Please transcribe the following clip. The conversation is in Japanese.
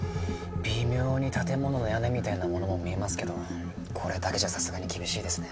微妙に建物の屋根みたいなものも見えますけどこれだけじゃさすがに厳しいですね。